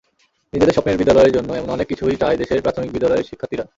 নিজেদের স্বপ্নের বিদ্যালয়ের জন্য এমন অনেক কিছুই চায় দেশের প্রাথমিক বিদ্যালয়ের শিক্ষার্থীরা।